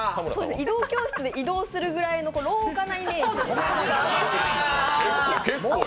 移動教室で移動するぐらいの廊下なイメージ。